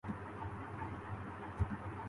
مریم نواز اگر سیاسی منظر نامے پر موجود رہتی ہیں۔